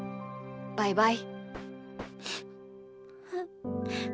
バイバイ。